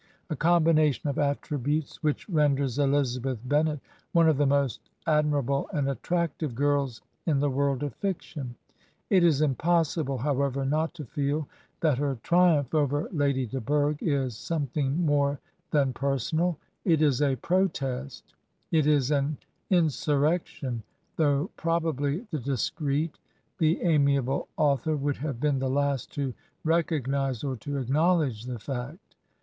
a com bination of attributes which renders Elizabeth Bennet one of the most admirable and attractive girls in the world of fiction. It is impossible, however, not to feel that her triumph over Lady de Burgh is something more than personal: it is a protest, it is an insurrection, though probably the discreet, the amiable author would have been the last to recognize or to acknowledge the fact.